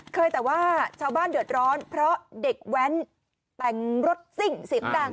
แต่ว่าชาวบ้านเดือดร้อนเพราะเด็กแว้นแต่งรถซิ่งเสียงดัง